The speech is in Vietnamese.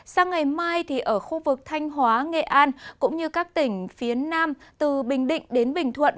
sang ngày mai ở khu vực thanh hóa nghệ an cũng như các tỉnh phía nam từ bình định đến bình thuận